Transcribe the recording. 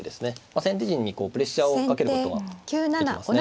先手陣にプレッシャーをかけることができますね。